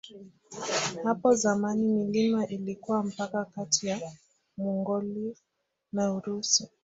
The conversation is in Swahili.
Hapo zamani milima ilikuwa mpaka kati ya Mongolia na Urusi.